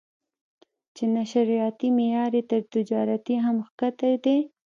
چې نشراتي معیار یې تر تجارتي هم ښکته دی.